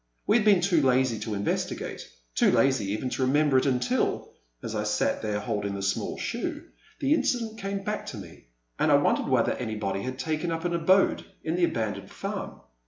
We had been too lazy to in investigate, too lazy even to remember it until, as I sat there holding the small shoe, the incident came back to me, and I wondered whether anybody had taken up an abode in the abandoned farm.